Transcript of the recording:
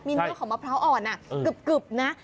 มีเนื้อของมะพร้าวอ่อนกึบนะ